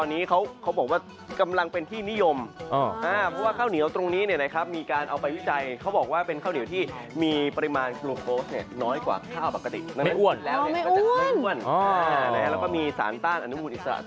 หลุกข้าวเหนียวหักสันต้มเกลี้ยวหักสันต้มเกลี้ยว